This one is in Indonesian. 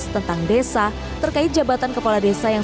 tentang desa terkait jabatan kepala desa yang satu ratus enam puluh enam